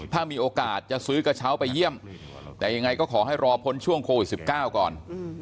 ถ้ามีโอกาสจะซื้อกระเช้าไปเยี่ยมแต่ยังไงก็ขอให้รอพ้นช่วงโควิด๑๙ก่อน